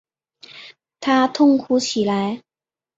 他痛哭起来